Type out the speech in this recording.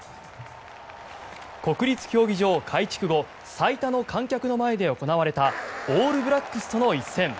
国立競技場改築後最多の観客の前で行われたオールブラックスとの一戦。